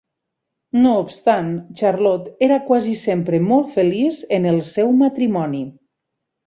No obstant, Charlotte era quasi sempre molt feliç en el seu matrimoni.